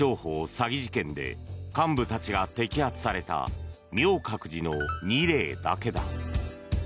詐欺事件で幹部たちが摘発された明覚寺の２例だけだ。